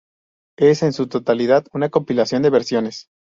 Es en su totalidad una compilación de versiones.